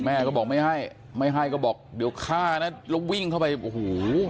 แม่ก็บอกไม่ให้ไม่ให้ก็บอกเดี๋ยวฆ่านะแล้ววิ่งเข้าไปโอ้โห